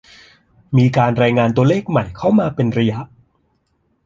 มีการรายงานตัวเลขใหม่เข้ามาเป็นระยะ